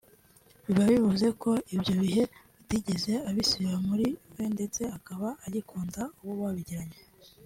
biba bivuze ko ibyo bihe atigeze abisiba muri we ndetse aba agikunda uwo babigiranye